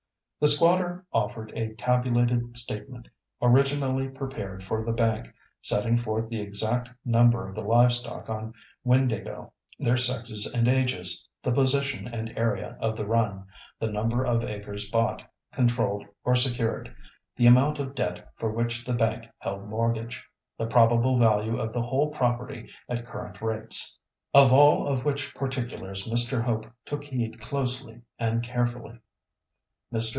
The squatter offered a tabulated statement, originally prepared for the bank, setting forth the exact number of the livestock on Windāhgil, their sexes and ages, the position and area of the run, the number of acres bought, controlled or secured; the amount of debt for which the bank held mortgage, the probable value of the whole property at current rates. Of all of which particulars Mr. Hope took heed closely and carefully. Mr.